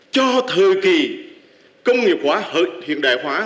cho thời kỳ công nghiệp hiện đại hóa